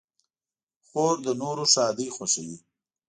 خور د نورو ښادۍ خوښوي.